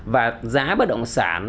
và giá bất động sản